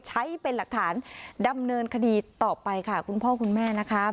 ใช้เป็นหลักฐานดำเนินคดีต่อไปค่ะคุณพ่อคุณแม่นะคะ